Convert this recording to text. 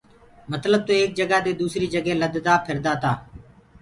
متلب تو ايڪ جگآ دي دوٚسريٚ جگي لددا ڦِردآ تآ۔